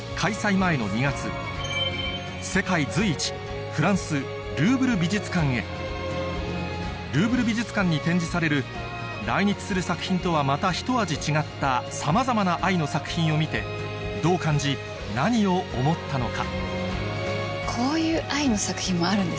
前の２月世界随一フランスルーヴル美術館に展示される来日する作品とはまたひと味違ったさまざまな愛の作品を見てどう感じ何を思ったのか？